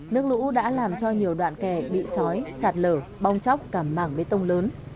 nước lũ đã làm cho nhiều đoạn kè bị sói sạt lở bong chóc cả mảng bê tông lớn